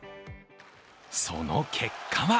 その結果は